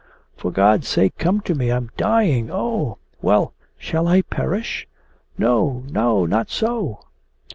'For God's sake come to me! I am dying! Oh!' 'Well shall I perish? No, not so!